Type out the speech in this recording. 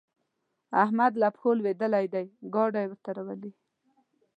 احمد له پښو لوېدلی دی؛ ګاډی ورته راولي.